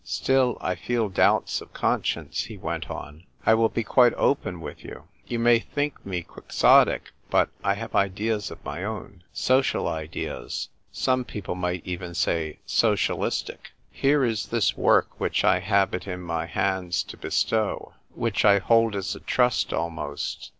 " Still, I feel doubts of conscience," he went on. " I will be quite open with you. You may think me quixotic, but I have ideas of my own — social ideas — some people might even say socialistic. Here is this work, which I have it in my hands to bestow ; which I hold as a trust, almost.